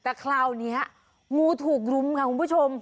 แต่คราวนี้งูถูกรุมค่ะคุณผู้ชม